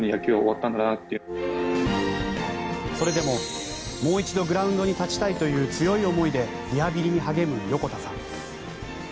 それでももう一度グラウンドに立ちたいという強い思いでリハビリに励む横田さん。